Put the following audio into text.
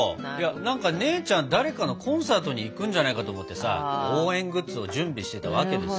何か姉ちゃん誰かのコンサートに行くんじゃないかと思ってさ応援グッズを準備してたわけですよ。